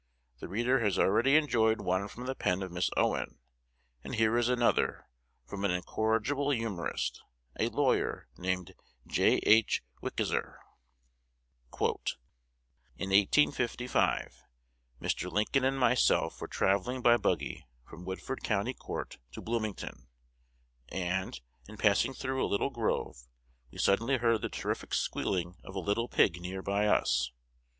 The reader has already enjoyed one from the pen of Miss Owen; and here is another, from an incorrigible humorist, a lawyer, named J. H. Wickizer: "In 1855 Mr. Lincoln and myself were travelling by buggy from Woodford County Court to Bloomington, 111.; and, in passing through a little grove, we suddenly heard the terrific squealing of a little pig near by us.